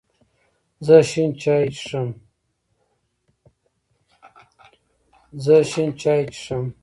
زه شین چای څښم